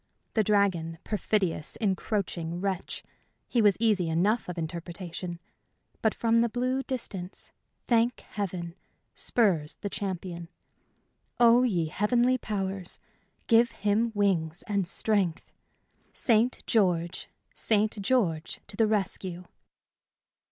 The dragon perfidious, encroaching wretch! he was easy enough of interpretation. But from the blue distance, thank Heaven! spurs the champion. Oh, ye heavenly powers, give him wings and strength! "St. George St. George to the rescue!"